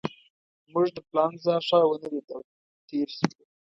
موږ د پالنزا ښار ونه لید او تېر شوو.